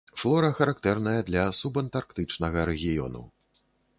Флора характэрная для субантарктычнага рэгіёну.